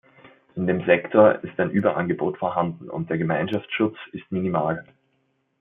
In dem Sektor ist ein Überangebot vorhanden, und der Gemeinschaftsschutz ist minimal.